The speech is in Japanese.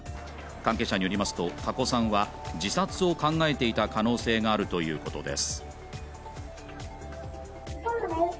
関係者によりますと加古さんは自殺を考えていた可能性があるということです。